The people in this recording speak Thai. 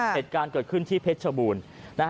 เหตุการณ์เกิดขึ้นที่เพชรชบูรณ์